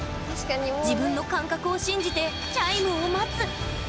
自分の感覚を信じてチャイムを待つ。